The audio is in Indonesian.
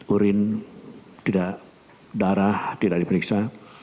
urin tidak darah tidak diperiksa